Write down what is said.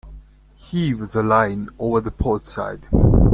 Heave the line over the port side.